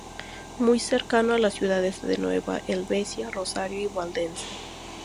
Muy cercano a las ciudades de Nueva Helvecia, Rosario y Valdense.